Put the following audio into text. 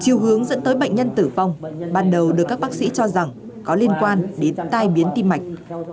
chiều hướng dẫn tới bệnh nhân tử vong ban đầu được các bác sĩ cho rằng có liên quan đến tai biến tim mạch